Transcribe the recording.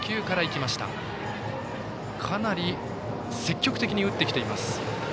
かなり積極的に打ってきています。